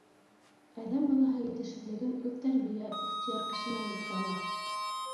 Әҙәм балаһы етешһеҙлеген үҙтәрбиә, ихтыяр көсө менән бөтөрә ала.